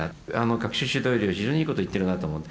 学習指導要領は非常にいいこと言ってるなと思う。